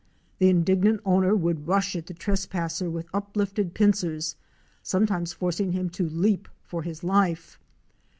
The indignant owner would rush at the trespasser with uplifted pincers, sometimes forc ing him to leap for his life.